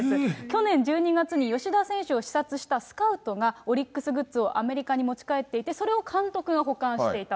去年１２月に吉田選手を視察したスカウトが、オリックスグッズをアメリカに持ち帰っていて、それを監督が保管していた。